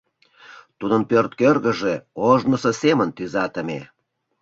Тудын пӧрт кӧргыжӧ ожнысо семын тӱзатыме.